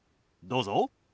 どうぞ。